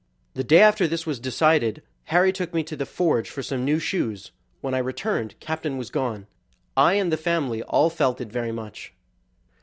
The day after this was decided Harry took me to the forge for some new shoes; when I returned Captain was gone. I and the family all felt it very much.